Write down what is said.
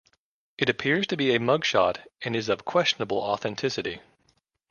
It appears to be a mugshot and is of questionable authenticity.